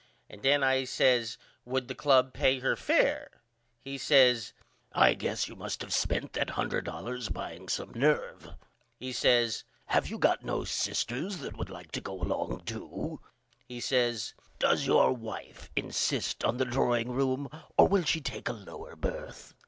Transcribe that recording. And then I says Would the club pay her fair? He says I guess you must of spend that $100 buying some nerve. He says Have you not got no sisters that would like to go along to? He says Does your wife insist on the drawing room or will she take a lower birth?